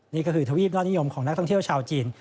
นี่ก็คือทวีปยอดนิยมของนักท่องเที่ยวชาวจีน